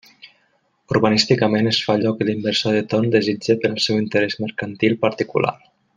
Urbanísticament es fa allò que l'inversor de torn desitja per al seu interés mercantil particular.